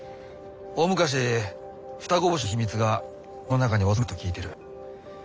大昔双子星の秘密がこの中に収められたと聞いてる。